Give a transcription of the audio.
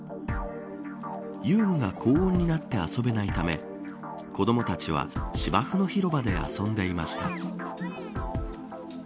遊具が高温になって遊べないため子どもたちは芝生の広場で遊んでいました。